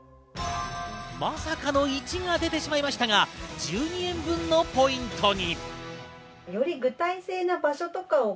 まさかの１が出てしまいましたが、１２円分のポイントに。